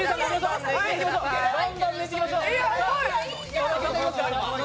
どんどん抜いていきましょう。